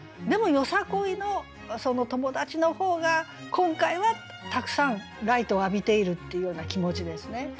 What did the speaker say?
でもよさこいのその友達の方が今回はたくさんライトを浴びているっていうような気持ちですね。